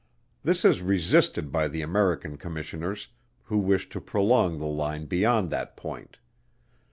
This is resisted by the American Commissioners, who wish to prolong the line beyond that point.